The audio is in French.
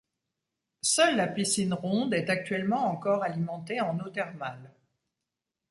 Seule la piscine ronde est actuellement encore alimentée en eau thermale.